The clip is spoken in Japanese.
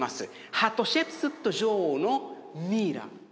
ハトシェプスト女王のミイラ